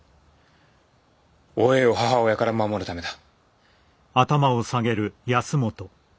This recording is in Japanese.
おえいを母親から守るためだ。